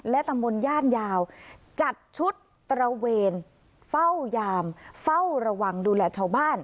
ตำบลย่านยาวจัดชุดตระเวนเฝ้ายามเฝ้าระวังดูแลชาวบ้าน